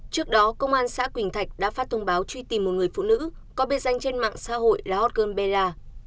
trước đó công an xã quỳnh thạch đã phát thông báo truy tìm một người phụ nữ có biệt danh trên mạng xã hội là hot girl bella